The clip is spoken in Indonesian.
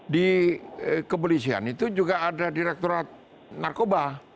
di kepolisian itu juga ada direkturat narkoba